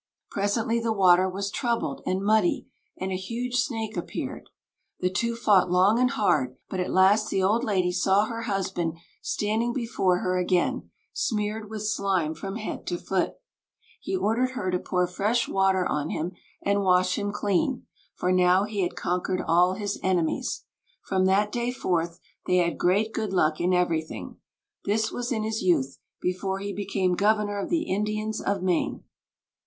Presently the water was troubled and muddy, and a huge snake appeared. The two fought long and hard; but at last the old lady saw her husband standing before her again, smeared with slime from head to foot. He ordered her to pour fresh water on him, and wash him clean, for now he had conquered all his enemies. From that day forth they had great good luck in everything. This was in his youth, before he became governor of the Indians of Maine.